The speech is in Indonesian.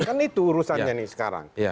kan itu urusannya nih sekarang